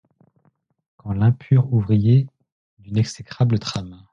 Quand l'impur ouvrier-. d'une exécrable trame